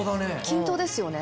均等ですよね。